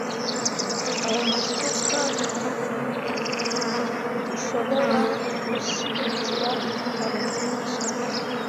Aya masuka ntdushoboragushyigikira ibitabo byinshi.